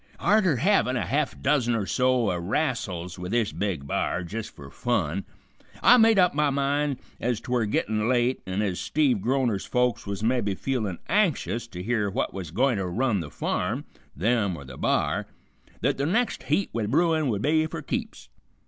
"Arter havin' a half dozen or so o' rassels with this big b'ar, jist fer fun, I made up my mind, ez 'twere gettin' late, an' ez Steve Groner's folks was mebby feelin' anxious to hear which was gointer run the farm, them or the b'ar, th't the next heat with bruin would be for keeps.